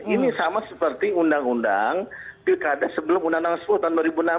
ini sama seperti undang undang pilkada sebelum undang undang sepuluh tahun dua ribu enam belas